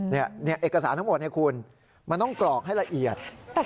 เนี่ยเอกสารทั้งหมดให้คุณมันต้องกรอกให้ละเอียด